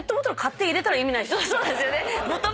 そうなんですよね。